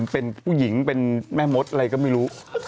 เป็นผู้หญิงเป็นแม่มดอะไรก็ไม่รู้